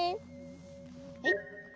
はい。